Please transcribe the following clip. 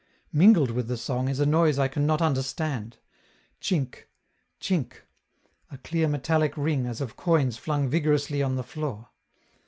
Mingled with the song is a noise I can not understand: Chink! chink! a clear metallic ring as of coins flung vigorously on the floor.